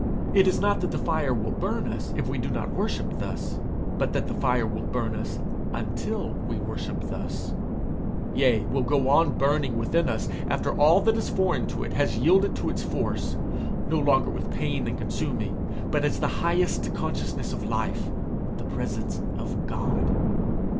It is not that the fire will burn us if we do not worship thus; but that the fire will burn us until we worship thus; yea, will go on burning within us after all that is foreign to it has yielded to its force, no longer with pain and consuming, but as the highest consciousness of life, the presence of God.